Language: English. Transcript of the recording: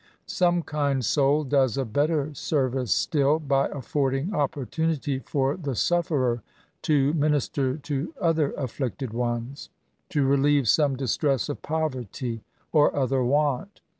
Some kind soul does a bettet service still, by affording opportunity for the suf * ferer to minister to other aflUcted ones ; to relieve some distress of poverty, or other want.